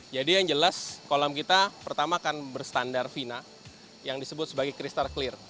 jadi yang jelas kolam kita pertama akan berstandar vina yang disebut sebagai crystal clear